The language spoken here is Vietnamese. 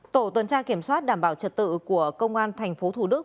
tổ tuần tra kiểm soát đảm bảo trật tự của công an thành phố thủ đức